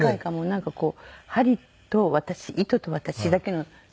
なんかこう針と私糸と私だけの世界に。